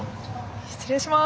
失礼します。